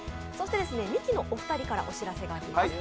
ミキのお二人からお知らせがあります。